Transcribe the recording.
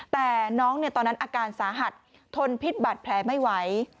แต่น้องตอนนั้นอาการสาหัสทนพิษบัตรแผลไม่ไหว